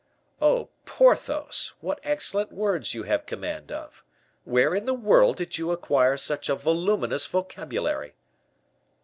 "Oh, Porthos! what excellent words you have command of. Where in the word did you acquire such a voluminous vocabulary?"